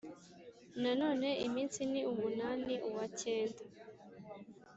nanone iminsi ni umunani, uwa cyenda,